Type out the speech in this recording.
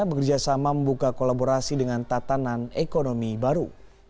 bekerjasama membuka kolaborasi dengan tatanan ekonomi baru